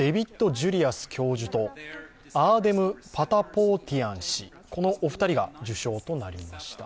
・ジュリアス教授とアーデム・パタポーティアン氏、このお二人が受賞となりました。